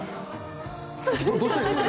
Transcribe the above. どうしたらいいですか。